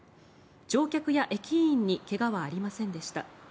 乗客や駅員に怪我はありませんでした。